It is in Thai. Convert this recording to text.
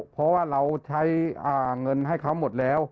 เพราะว่าเราใช้เงินให้เขาหมดแล้ว